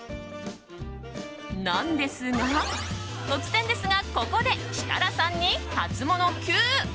なんですが、突然ですがここで設楽さんにハツモノＱ！